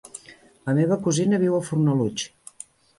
La meva cosina viu a Fornalutx.